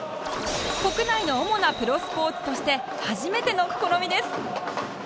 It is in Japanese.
国内の主なプロスポーツとして初めての試みです